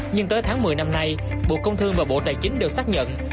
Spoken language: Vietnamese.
nhưng tới tháng một mươi năm nay bộ công thương và bộ tài chính đều xác nhận